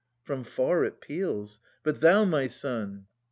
From far it peals. But thou, my son